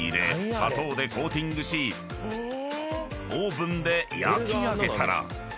砂糖でコーティングしオーブンで焼き上げたら］